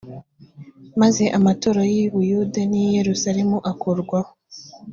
maze amaturo y i buyuda n i yerusalemu akurwaho